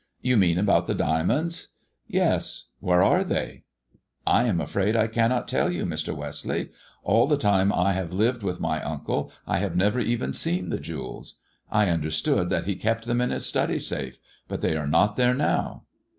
" You mean about the diamonds 1 '*" Yes. Where are they ?" I am afraid I cannot tell you, Mr. Westleigh. All the time I have lived with my uncle, I have never even seen the jewels. I understood that he kept them in his study safe — but they are not there now."